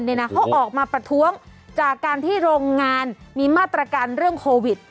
เขาออกมาประท้วงจากการที่โรงงานมีมาตรการเรื่องโควิด